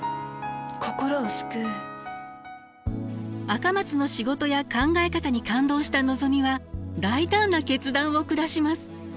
赤松の仕事や考え方に感動したのぞみは大胆な決断を下します。